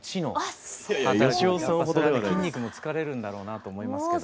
筋肉も疲れるんだろうなと思いますけど。